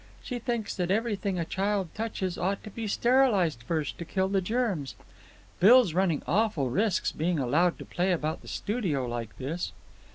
She thinks that everything a child touches ought to be sterilized first to kill the germs. Bill's running awful risks being allowed to play about the studio like this."